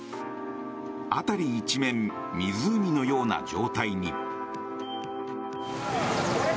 辺り一面、湖のような状態に。